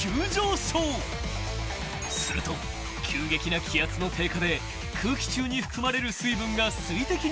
［すると急激な気圧の低下で空気中に含まれる水分が水滴に変化］